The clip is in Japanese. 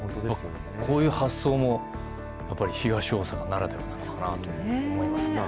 こういう発想も、やっぱり東大阪ならではなのかなと思いますね。